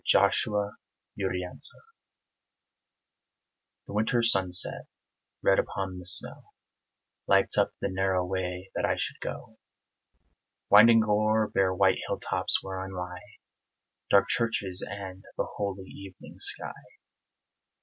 IM SCHWARZWALD The winter sunset, red upon the snow, Lights up the narrow way that I should go; Winding o'er bare white hilltops, whereon lie Dark churches and the holy evening sky.